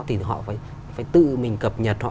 thì họ phải tự mình cập nhật